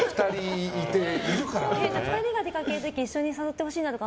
２人が出かける時に一緒に誘ってほしいなとか。